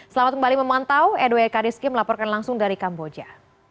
selamat kembali memantau edwai kadisky melaporkan langsung dari kamboja